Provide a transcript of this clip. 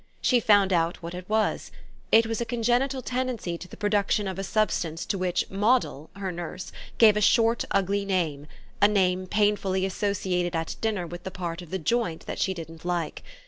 She found out what it was: it was a congenital tendency to the production of a substance to which Moddle, her nurse, gave a short ugly name, a name painfully associated at dinner with the part of the joint that she didn't like.